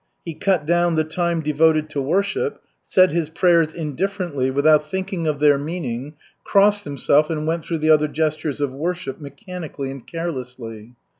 He cut down the time devoted to worship, said his prayers indifferently, without thinking of their meaning, crossed himself and went through the other gestures of worship mechanically and carelessly.